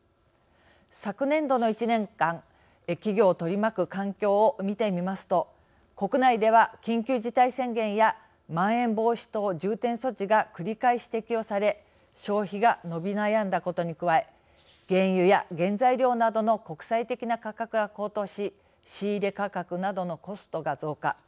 昨年度の１年間企業を取り巻く環境を見てみますと国内では、緊急事態宣言やまん延防止等重点措置が繰り返し適用され消費が伸び悩んだことに加え原油や原材料などの国際的な価格が高騰し仕入れ価格などのコストが増加。